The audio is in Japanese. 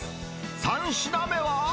３品目は。